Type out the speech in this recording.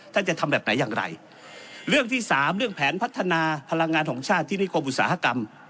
จะทำแบบไหนอย่างไรเรื่องที่สามเรื่องแผนพัฒนาพลังงานของชาติที่นิคมอุตสาหกรรม